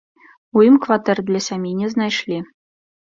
У ім кватэр для сям'і не знайшлі.